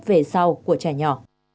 về sau của trẻ nhỏ